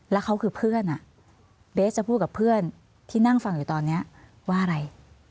แล้วเขาคือเพื่อนเบสจะพูดกับเพื่อนที่นั่งฟังอยู่ตอนนี้ว่าอะไร